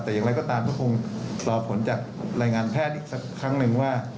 แต่อย่างไรก็ตามก็คงรอผลจากรายงานแพทย์อีกสักครั้งหนึ่งว่า